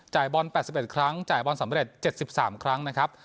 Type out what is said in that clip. บอล๘๑ครั้งจ่ายบอลสำเร็จ๗๓ครั้งนะครับ